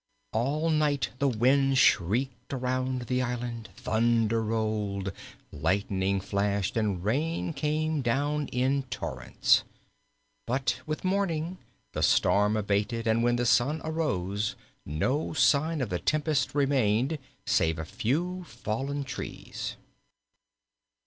All night the wind shrieked around the island; thunder rolled, lightning flashed and rain came down in torrents. But with morning the storm abated and when the sun arose no sign of the tempest remained save a few fallen trees.